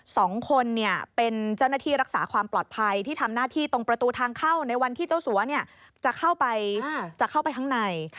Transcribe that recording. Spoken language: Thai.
สองคนเนี่ยเป็นเจ้าหน้าที่รักษาความปลอดภัยที่ทำหน้าที่ตรงประตูทางเข้าในวันที่เจ้าสัวจะเข้าไปจะเข้าไปข้างใน